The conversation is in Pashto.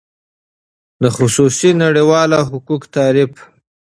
د خصوصی نړیوالو حقوقو تعریف :